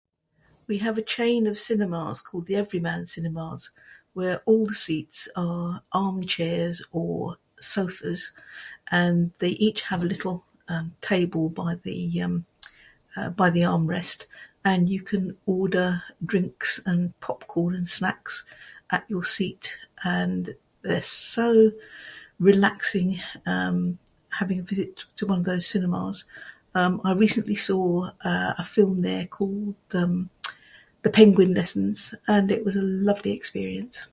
"We have a chain of cinemas called the Everyman Cinemas where all the seats are armchairs or sofas. And they each have a little, um, table by the, um, uh, by the armrest. And you can order drinks and popcorn and snacks at your seat. And they're so relaxing, um, having a visit to one of those cinemas. Um, I recently saw, uh, a film there called, um, ""The Penguin Lessons"" and it was a lovely experience."